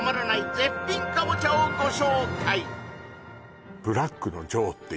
絶品カボチャをご紹介！